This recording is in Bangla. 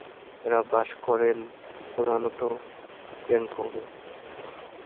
এঁরা বাস করেন প্রধানত ব্যাংককে।